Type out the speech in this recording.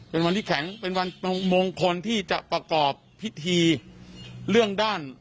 เป็นวันที่แข็งเป็นวันมงคลที่จะประกอบพิธีเรื่องด้าน